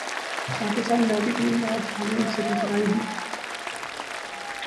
Pakistan hockey team اج Holland سے ٹکرا ئے گی